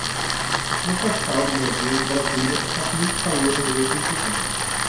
Na capital do Brasil, Brasília, faz muito calor no mês de setembro.